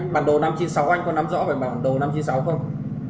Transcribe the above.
bản đồ năm trăm chín mươi sáu anh có nắm rõ về bản đồ năm trăm chín mươi sáu không